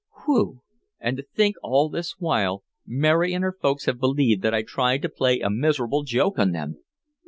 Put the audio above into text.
"Whew! And to think, all this while, Mary and her folks have believed that I tried to play a miserable joke on them!